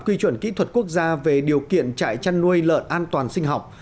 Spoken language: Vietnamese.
quy chuẩn kỹ thuật quốc gia về điều kiện trại chăn nuôi lợn an toàn sinh học